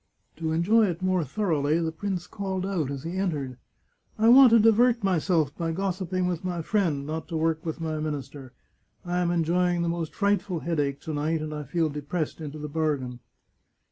To enjoy it more thor oughly the prince called out as he entered :" I want to divert myself by gossiping with my friend, not to work with my minister, I am enjoying the most frightful headache to night, and I feel depressed into the bargain."